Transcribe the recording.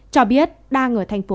cho biết đang ở thành phố